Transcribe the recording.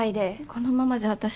このままじゃ私